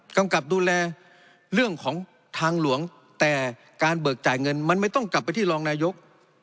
กำกับดูแลเรื่องของทางหลวงแต่การเบิกจ่ายเงินมันไม่ต้องกลับไปที่รองนายก